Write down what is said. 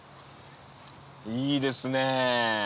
いいですね。